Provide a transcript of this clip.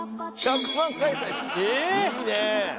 いいね！